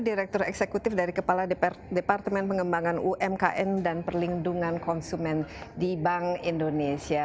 direktur eksekutif dari kepala departemen pengembangan umkm dan perlindungan konsumen di bank indonesia